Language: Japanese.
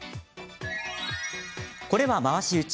これは、回し打ち。